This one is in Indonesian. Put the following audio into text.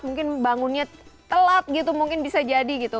mungkin bangunnya telat gitu mungkin bisa jadi gitu